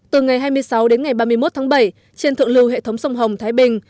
từ ngày hai mươi sáu đến ngày ba mươi một tháng bảy trên thượng lưu hệ thống sông hồng thái bình